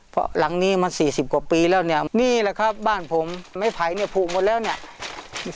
เพราะหลังนี้มาสี่สิบกว่าปีแล้วเนี่ยนี่แหละครับบ้านผมไม้ไผ่เนี่ยผูกหมดแล้วเนี่ย